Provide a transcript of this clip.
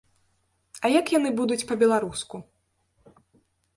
А як яны будуць па-беларуску?